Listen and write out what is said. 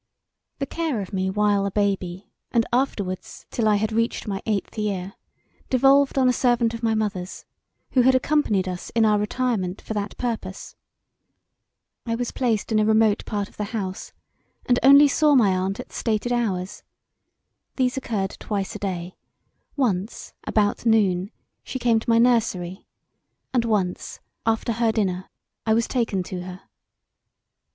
The care of me while a baby, and afterwards untill I had reached my eighth year devolved on a servant of my mother's, who had accompanied us in our retirement for that purpose. I was placed in a remote part of the house, and only saw my aunt at stated hours. These occurred twice a day; once about noon she came to my nursery, and once after her dinner I was taken to her.